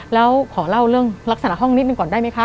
แล้วขอเล่าเรื่องลักษณะห้องนิดหนึ่งก่อนได้ไหมคะ